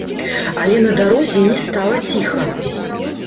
Але на дарозе не стала ціха.